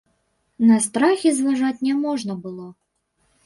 На страхі зважаць не можна было.